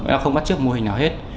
nghĩa là không bắt trước mô hình nào hết